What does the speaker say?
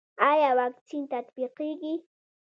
آیا واکسین تطبیقیږي؟